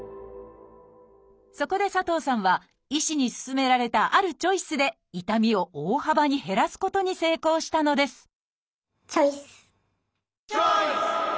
そこで佐藤さんは医師に勧められたあるチョイスで痛みを大幅に減らすことに成功したのですチョイス！